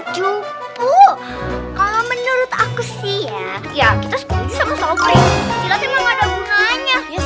jupu kalau menurut aku sih ya ya kita seperti sama solbri silat emang enggak ada gunanya ya